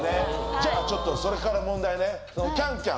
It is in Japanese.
じゃあちょっとそれから問題ねＣａｎＣａｍ